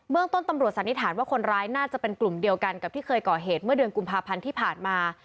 เมืองต้นตำรวจสันนิษฐานว่าคนร้ายน่าจะเป็นกลุ่มเดียวกันกับที่เคยก่อเหตุเมื่อเดือนกุมภาพันธ์ที่ผ่านมา